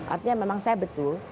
artinya memang saya betul